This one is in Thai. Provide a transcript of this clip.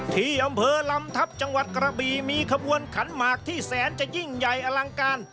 ที่อำเภอลำทัพจังหวัดกระบีมีขบวนขันหมากที่แสนจะยิ่งใหญ่อลังการ